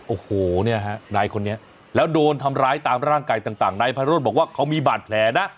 โอ้โหเนี่ยฮะนายคนนี้แล้วโดนทำร้ายตามร่างกายต่างนายไพโรธบอกว่าเขามีบาดแผลนะ